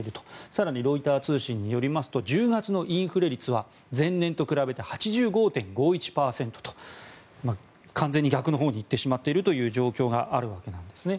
更にロイター通信によりますと１０月のインフレ率は前年と比べて８５．５１％と完全に逆のほうに行ってしまっている状況があるわけですね。